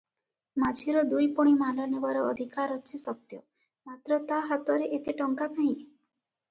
ମାଝିର ଦୁଇପଣି ମାଲ ନେବାର ଅଧିକାର ଅଛି ସତ୍ୟ; ମାତ୍ର ତା ହାତରେ ଏତେ ଟଙ୍କା କାହିଁ?